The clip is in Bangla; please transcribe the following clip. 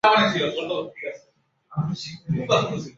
এখন তুমি আমাকে বলছো যে তুমি প্যাকেজ হারিয়ে ফেলেছ।